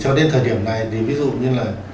cho đến thời điểm này ví dụ như là